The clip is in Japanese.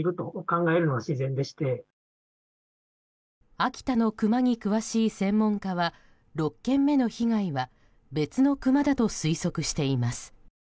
秋田のクマに詳しい専門家は６件目の被害は別のクマだと推測しています。